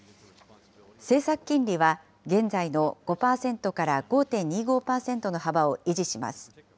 政策金利は現在の５％から５．２５％の幅を維持します。